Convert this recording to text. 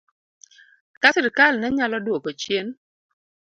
Ka sirkal ne nyalo dwoko chien